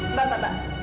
mbak mbak mbak